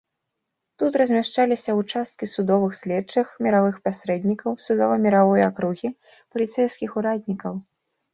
Тут размяшчаліся ўчасткі судовых следчых, міравых пасрэднікаў, судова-міравой акругі, паліцэйскіх ураднікаў.